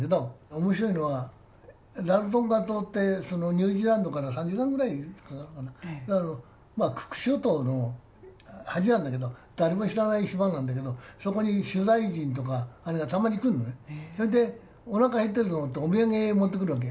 おもしろいのはラロトンガ島ってニュージーランドから３時間くらいかかるまあクック諸島のはじなんだけど誰も知らない島なんだけどそこに取材陣がたまに来るんだけどおなかへってると思ってお土産なんか持ってくるわけ。